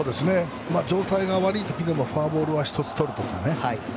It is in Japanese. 状態が悪い時でもフォアボールを１つとるとかね